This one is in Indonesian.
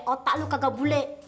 otak lu kagak bule